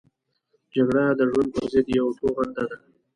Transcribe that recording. جګړه د ژوند پرضد یوه توغنده ده